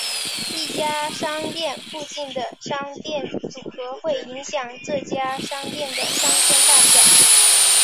一家商店附近的商店组合会影响这家商店的商圈大小。